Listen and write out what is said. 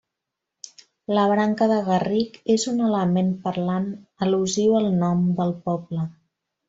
La branca de garric és un element parlant al·lusiu al nom del poble.